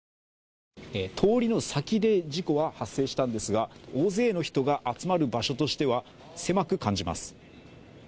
通りの先で事故は発生したんですが、大勢の人が集まる場所としては狭く感じます。